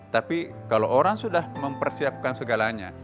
tapi kalau orang sudah mempersiapkan segalanya